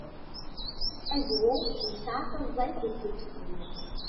Azwu yesɛa taẓẓayt akked tufsin.